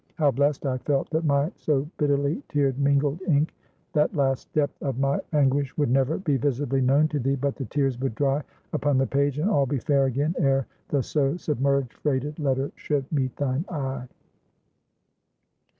How blest I felt that my so bitterly tear mingled ink that last depth of my anguish would never be visibly known to thee, but the tears would dry upon the page, and all be fair again, ere the so submerged freighted letter should meet thine eye.